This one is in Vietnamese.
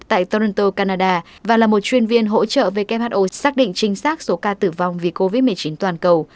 tại toronto canada và là một chuyên viên hỗ trợ who xác định chính xác số ca tử vong vì covid một mươi chín toàn cầu